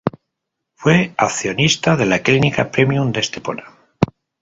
Fue accionista de la clínica Premium de Estepona.